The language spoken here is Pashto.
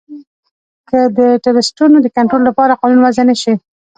که د ټرسټونو د کنترول لپاره قانون وضعه نه شي